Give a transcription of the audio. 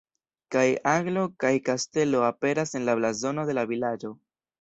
Kaj aglo kaj kastelo aperas en la blazono de la vilaĝo.